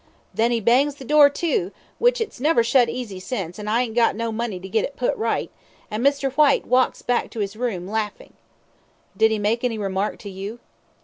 "Then he bangs the door to, which it's never shut easy since, an' I ain't got no money to get it put right, an' Mr. Whyte walks back to his room, laughing." "Did he make any remark to you?"